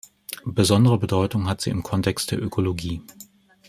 Besondere Bedeutung hat sie im Kontext der Ökologie.